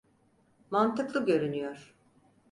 Mantıklı görünüyor.